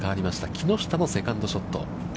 木下のセカンドショット。